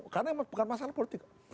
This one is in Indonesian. karena bukan masalah politik